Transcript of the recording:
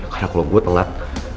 karena kalau gue telat